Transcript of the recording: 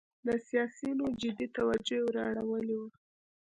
د سیاسینو جدي توجه یې وراړولې وه.